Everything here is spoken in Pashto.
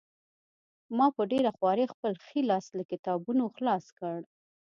ما په ډېره خوارۍ خپل ښی لاس له کتابونو خلاص کړ